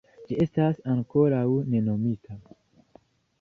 Ĝi estas ankoraŭ ne nomita.